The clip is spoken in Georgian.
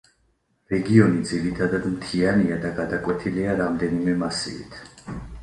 რეგიონი ძირითადად მთიანია და გადაკვეთილია რამდენიმე მასივით.